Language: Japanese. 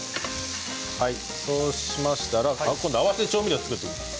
そうしましたら今度合わせ調味料を作っていきます。